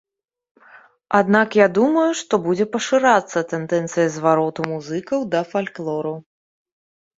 Аднак я думаю, што будзе пашырацца тэндэнцыя звароту музыкаў да фальклору.